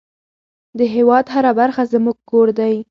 د هېواد هره برخه زموږ کور دی.